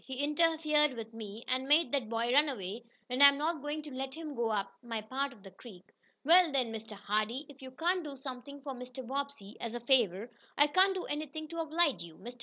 He interfered with me, and made that boy run away, and I'm not going to let him go up my part of the creek." "Well, then, Mr. Hardee, if you can't do something for Mr. Bobbsey, as a favor, I can't do anything to oblige you. Mr.